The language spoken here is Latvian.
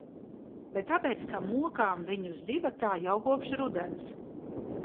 Bet tāpēc, ka mokām viņus divatā jau kopš rudens.